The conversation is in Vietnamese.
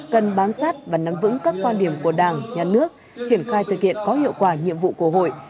cần bám sát và nắm vững các quan điểm của đảng nhà nước triển khai thực hiện có hiệu quả nhiệm vụ của hội